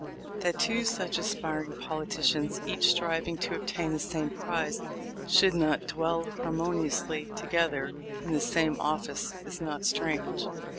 That two such aspiring politicians, each striving to obtain the same prize, should not dwell harmoniously together in the same office is not strange.